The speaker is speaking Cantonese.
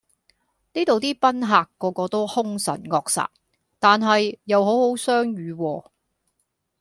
呢度啲賓客個個都凶神惡煞，但係又好好相語喎